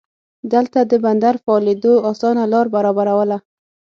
دلته د بندر فعالېدو اسانه لار برابرواله.